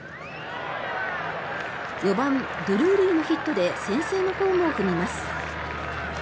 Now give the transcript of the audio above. ４番、ドゥルーリーのヒットで先制のホームを踏みます。